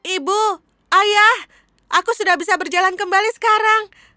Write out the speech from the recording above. ibu ayah aku sudah bisa berjalan kembali sekarang